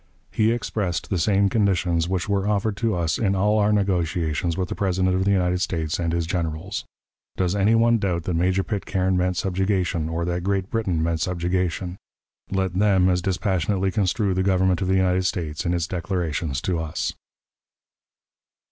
he expressed the same conditions which were offered to us in all our negotiations with the President of the United States and his generals. Does any one doubt that Major Pitcairn meant subjugation, or that Great Britain meant subjugation? Let them as dispassionately construe the Government of the United States in its declarations to us.